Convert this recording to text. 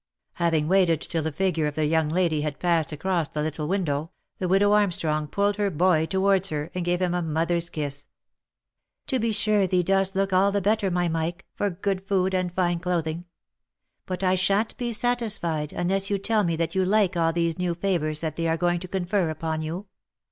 Having waited till the figure of the young lady had passed across the little window, the widow Armstrong pulled her boy towards her, and gave him a mother's kiss. "To be sure thee dost look all the better, my Mike, for good food, and fine clothing. But I shan't be satisfied, unless you tell me that you like all these new favours that they are going to confer upon you."